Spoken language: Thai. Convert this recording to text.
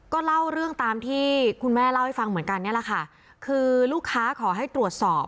ก็เล่าเรื่องตามที่คุณแม่เล่าให้ฟังเหมือนกันนี่แหละค่ะคือลูกค้าขอให้ตรวจสอบ